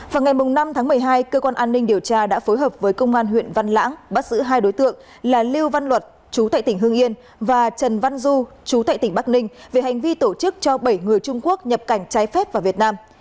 vào ngày năm tháng một mươi hai cơ quan an ninh điều tra đã phối hợp với công an huyện văn lãng bắt giữ hai đối tượng là lưu văn luật chú tại tỉnh hương yên và trần văn du chú tại tỉnh bắc ninh về hành vi tổ chức cho bảy người trung quốc nhập cảnh trái phép vào việt nam